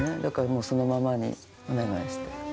だからもうそのままにお願いして。